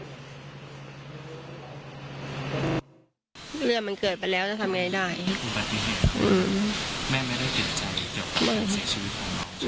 เรื่องมันเกิดไปแล้วจะทำยังไงได้